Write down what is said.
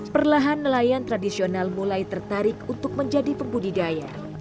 perlahan nelayan tradisional mulai tertarik untuk menjadi pembudidaya